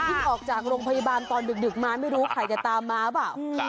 ออกจากโรงพยาบาลตอนดึกมาไม่รู้ใครจะตามมาเปล่า